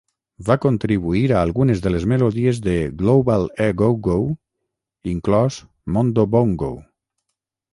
Va contribuir a algunes de les melodies de "Global A Go-Go", inclòs "Mondo Bongo".